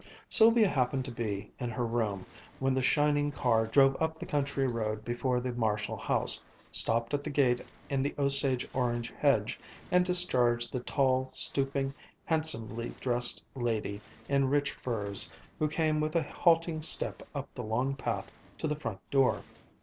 Sylvia happened to be in her room when the shining car drove up the country road before the Marshall house, stopped at the gate in the osage orange hedge, and discharged the tall, stooping, handsomely dressed lady in rich furs, who came with a halting step up the long path to the front door.